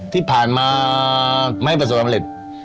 ที่ผ่านมาไม่ประสบประเภท